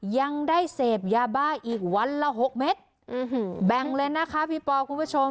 ยังได้เสพยาบ้าอีกวันละ๖เม็ดแบ่งเลยนะคะพี่ปอคุณผู้ชม